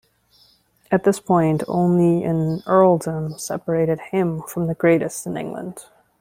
At this point only an earldom separated him from the greatest in England.